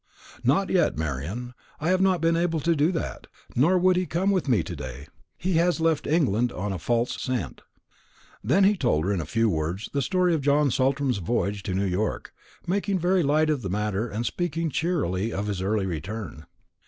"Not yet, Marian; I have not been able to do that. Nor could he come with me to day. He has left England on a false scent." And then he told her, in a few words, the story of John Saltram's voyage to New York; making very light of the matter, and speaking cheerily of his early return.